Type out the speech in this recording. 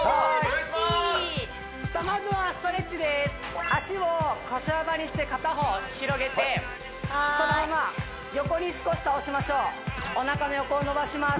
まずはストレッチです足を腰幅にして片方広げてそのまま横に少し倒しましょうおなかの横を伸ばします